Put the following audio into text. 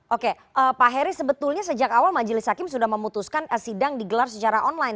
oke pak heri sebetulnya sejak awal majelis hakim sudah memutuskan sidang digelar secara online